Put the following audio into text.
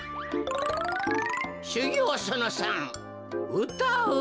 しゅぎょうその３うたう。